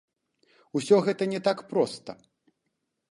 Усё гэта не так проста.